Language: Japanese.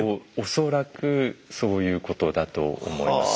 そう恐らくそういうことだと思います。